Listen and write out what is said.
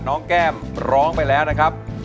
แก้มร้องไปแล้วนะครับ